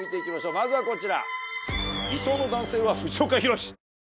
まずはこちら。